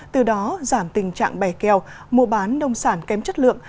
từ đó giảm tình trạng bè kèo mua bán nông sản kém chất lượng